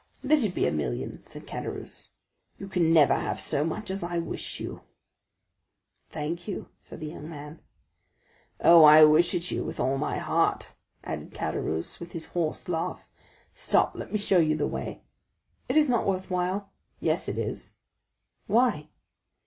"Let it be a million," said Caderousse; "you can never have so much as I wish you." "Thank you," said the young man. "Oh, I wish it you with all my heart!" added Caderousse with his hoarse laugh. "Stop, let me show you the way." "It is not worthwhile." "Yes, it is." "Why?"